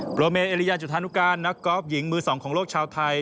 โรเมเอริยาจุธานุการนักกอล์ฟหญิงมือสองของโลกชาวไทย